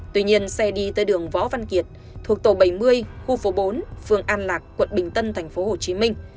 tuy nhiên xe đi tới đường võ văn kiệt thuộc tổ bảy mươi khu phố bốn phường an lạc quận bình tân thành phố hồ chí minh